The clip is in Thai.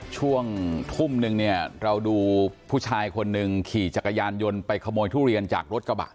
ช่วงทุ่มนึงเนี่ยเราดูผู้ชายคนหนึ่งขี่จักรยานยนต์ไปขโมยทุเรียนจากรถกระบะ